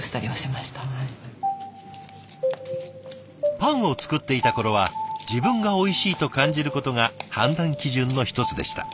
パンを作っていた頃は自分が「おいしい」と感じることが判断基準の一つでした。